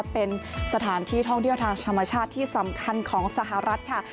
เป็นสถานที่ท่องเที่ยวทางธรรมชาติที่สำคัญของสหรัฐค่ะ